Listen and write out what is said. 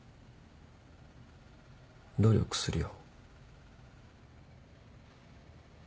努力するよ。